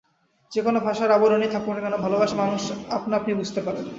যে-কোন ভাষার আবরণেই থাকুক না কেন, ভালবাসা মানুষ আপনা হতেই বুঝতে পারে।